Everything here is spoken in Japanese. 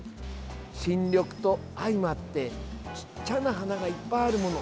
新緑と相まってちっちゃな花がいっぱいあるもの